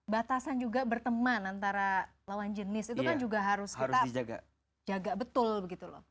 batasan juga berteman antara lawan jenis itu kan juga harus kita jaga betul begitu loh